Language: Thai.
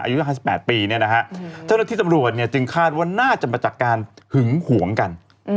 หลายสิบแปดปีเจ้าหน้าที่สำรวจจึงคาดว่าน่าจะมาจากการหึงห่วงกัน